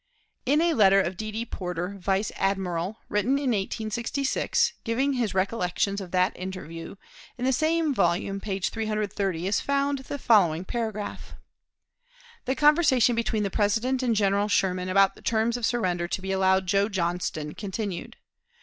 In a letter of D. D. Porter, vice admiral, written in 1866, giving his recollections of that interview, in the same volume, page 330, is found the following paragraph: "The conversation between the President and General Sherman, about the terms of surrender to be allowed Joe Johnston, continued.